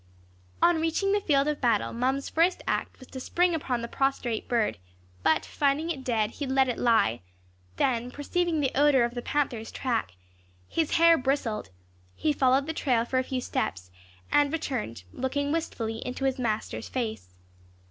On reaching the field of battle, Mum's first act was to spring upon the prostrate bird, but finding it dead he let it lie; then perceiving the odour of the panther's track, his hair bristled, he followed the trail for a few steps, and returned, looking wistfully into his master's face.